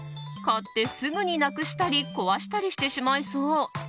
買ってすぐになくしたり壊したりしてしまいそう。